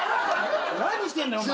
何してんだよお前。